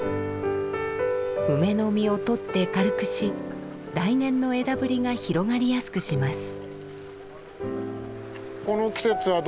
梅の実を取って軽くし来年の枝ぶりが広がりやすくします。